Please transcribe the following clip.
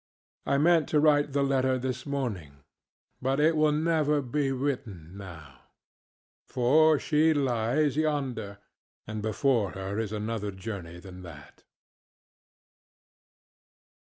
I meant to write the letter this morning. But it will never be written, now. For she lies yonder, and before her is another journey than that.